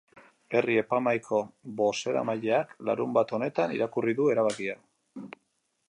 Herri-epaimahaiko bozeramaileak larunbat honetan irakurri du erabakia.